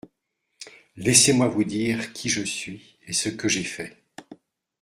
Laissez-moi vous dire qui je suis et ce que j’ai fait.